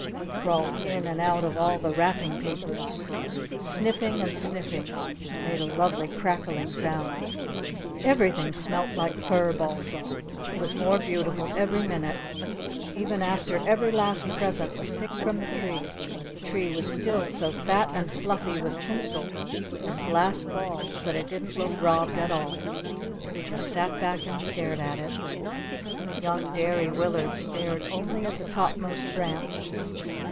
He crawled in and out of all the wrapping papers, sniffing and sniffing. It made a lovely crackling sound. Everything smelt like fir balsam. It was more beautiful every minute. Even after every last present was picked from the tree, the tree was still so fat and fluffy with tinsel and glass balls that it didn't look robbed at all. We just sat back and stared at it. Young Derry Willard stared only at the topmost branch.